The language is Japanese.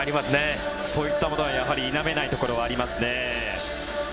そういったものはやはり否めないところはありますね。